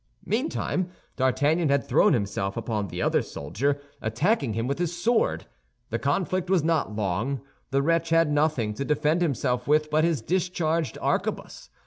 Meantime D'Artagnan had thrown himself upon the other soldier, attacking him with his sword. The conflict was not long; the wretch had nothing to defend himself with but his discharged arquebus.